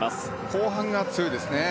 後半が強いですね。